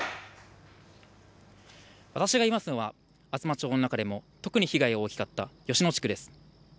私がいますのは、厚真町の中でも特に被害が大きかった吉野地区です。